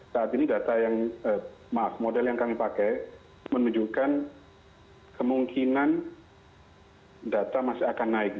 saat ini model yang kami pakai menunjukkan kemungkinan data masih akan naik